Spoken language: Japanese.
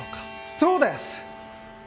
そうです！